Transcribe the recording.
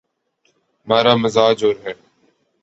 ہمارامزاج اور ہے۔